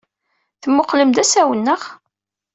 Temmuqqlem d asawen, naɣ?